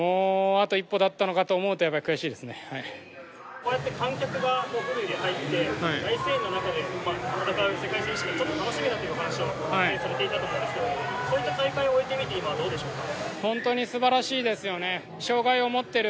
こうやって観客がフルで入って大声援の中で戦う世界選手権ちょっと楽しみだというお話をされていたと思うんですけどそういった大会を終えてみて今はどうでしょうか？